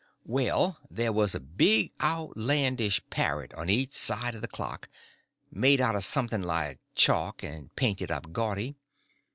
Well, there was a big outlandish parrot on each side of the clock, made out of something like chalk, and painted up gaudy.